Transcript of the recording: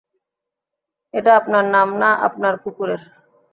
এটা আপনার নাম না আপনার কুকুরের?